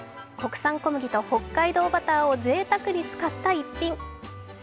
国産小麦と北海道バターをぜいたくに使った逸品！